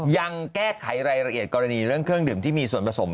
ยังแก้ไขรายละเอียดกรณีเรื่องเครื่องดื่มที่มีส่วนผสม